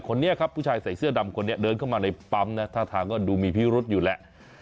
คนนี้ครับผู้ชายใส่เสื้อดำคนนี้เดินเข้ามาในปั๊มนะท่าทางก็ดูมีพิรุษอยู่แล้ว